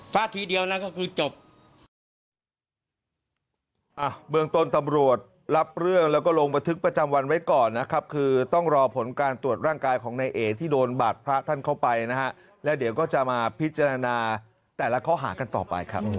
ฟาดทีเดียวนะก็คือจบ